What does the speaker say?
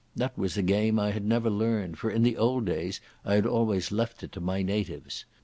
That was a game I had never learned, for in the old days I had always left it to my natives.